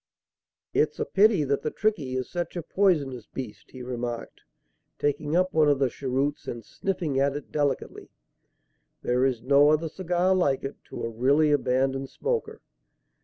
"It's a pity that the 'Trichy' is such a poisonous beast," he remarked, taking up one of the cheroots and sniffing at it delicately. "There is no other cigar like it, to a really abandoned smoker."